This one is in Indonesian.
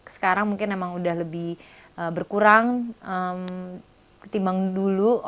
sekarang mungkin emang udah lebih berkurang ketimbang dulu